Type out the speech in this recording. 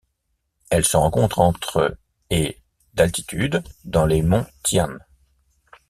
Elle se rencontre entre et d'altitude dans les monts Tian.